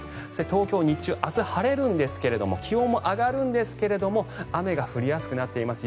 東京は日中明日、晴れるんですが気温も上がるんですが雨が降りやすくなっています。